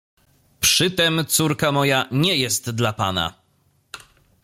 "Przytem córka moja nie jest dla pana."